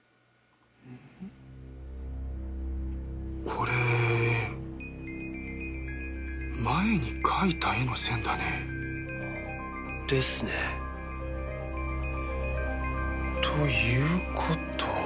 これ前に描いた絵の線だね。ですね。という事は？